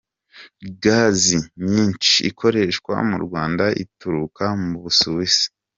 Gazi nyinshi ikoreshwa mu Rwanda ituruka mu Busuwisi.